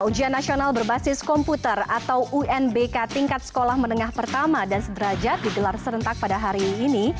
ujian nasional berbasis komputer atau unbk tingkat sekolah menengah pertama dan sederajat digelar serentak pada hari ini